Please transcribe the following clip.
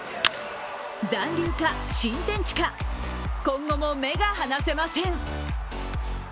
残留か、新天地か、今後も目が離せません。